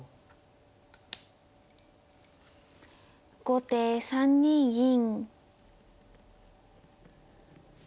後手３二銀。